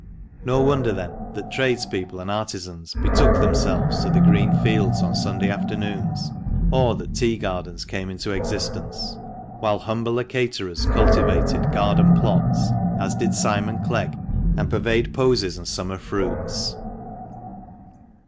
No wonder then that tradespeople and artizans betook themselves to the green fields on Sunday afternoons, or that tea gardens came into existence, while humbler caterers cultivated garden plots, as did Simon Clegg, and purveyed posies and summer fruits.